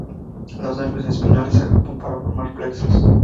Los nervios espinales se agrupan para formar plexos.